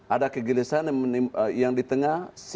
ada kegelisahan yang di tengah